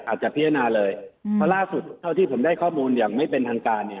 อาจจะพิจารณาเลยเพราะล่าสุดเท่าที่ผมได้ข้อมูลอย่างไม่เป็นทางการเนี่ย